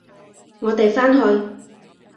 我哋返去！